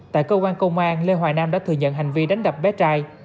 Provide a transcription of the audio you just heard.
tại cơ quan công an lê hoài nam đã thừa nhận hành vi đánh đập bé trai